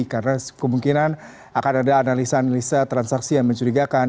karena kemungkinan akan ada analisa analisa transaksi yang mencurigakan